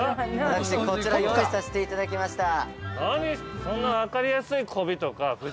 ◆こちら用意させていただきました。